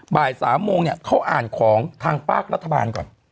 บ่ายที่๓โมงเขาอ่านของทางฟากรัฐบาลก่อน